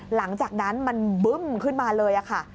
หลังจากนั้นมันบึ้มขึ้นมาเลยค่ะ